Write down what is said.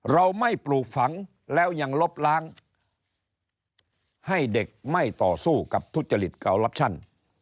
เราไม่ปลูกฝังแล้วยังลบล้างให้เด็กไม่ต่อสู้กับทุจริตเกาลับชั่น